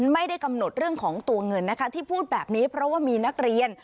ไม่ได้กำหนดเรื่องของตัวเงินนะคะที่พูดแบบนี้เพราะว่ามีนักเรียน